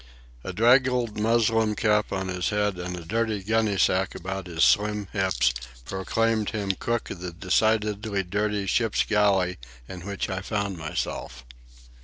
A draggled muslin cap on his head and a dirty gunny sack about his slim hips proclaimed him cook of the decidedly dirty ship's galley in which I found myself.